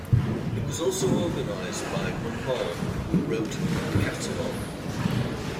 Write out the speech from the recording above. It was also organized by Munhall, who wrote the catalog.